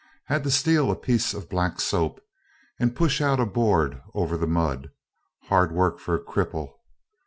Had to steal a piece of black soap, and push out a board over the mud, hard work for a cripple.